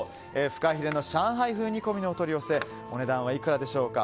フカヒレの上海風煮込みのお取り寄せお値段はいくらでしょうか。